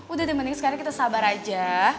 udah deh mending sekali kita sabar aja